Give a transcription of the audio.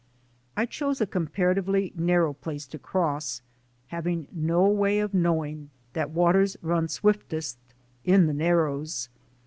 I chose a comparatively narrow place to cross, having no way of knowing that waters run swiftest in the narrows.